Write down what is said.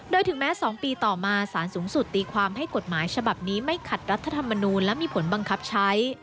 โดยถึงแม้๒ปีต่อมาสารสูงสุดตีความให้กฎหมายฉบับนี้ไม่ขัดรัฐธรรมนูลและมีผลบังคับใช้